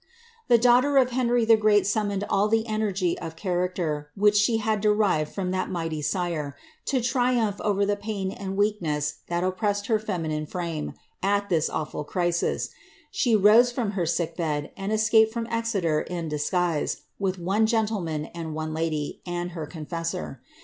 The daughter of Henry the Great summoned all the energy of charac r which she had derived from that mighty sire, to triumph over the tin and weakness that oppressed her feminine frame at this awful crisis le rose from her sick bed, and escaped from Exeter in disguise, with le gentleman and one lady, and her confessor.